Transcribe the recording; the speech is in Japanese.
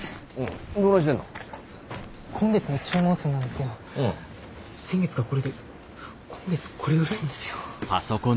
今月の注文数なんですけど先月がこれで今月これぐらいなんですよ。